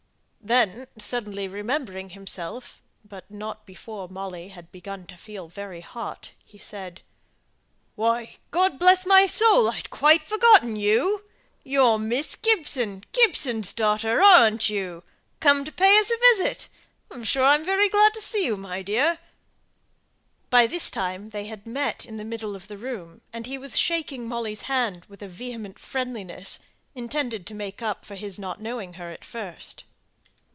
Then, suddenly remembering himself, but not before Molly had begun to feel very hot, he said "Why, God bless my soul, I'd quite forgotten you; you're Miss Gibson, Gibson's daughter, aren't you? Come to pay us a visit? I'm sure I'm very glad to see you, my dear." By this time, they had met in the middle of the room, and he was shaking Molly's hand with vehement friendliness, intended to make up for his not knowing her at first.